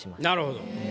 なるほど。